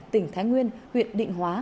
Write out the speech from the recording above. tỉnh thái nguyên huyện định hóa